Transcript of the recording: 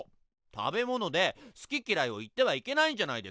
食べ物で好き嫌いを言ってはいけないんじゃないですか？